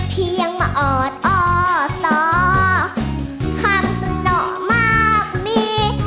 ที่ยังมาอดอ้อสอคำสนอกมากมี